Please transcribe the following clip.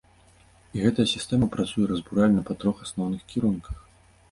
І гэтая сістэма працуе разбуральна па трох асноўных кірунках.